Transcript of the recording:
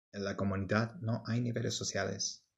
En la comunidad no hay niveles sociales.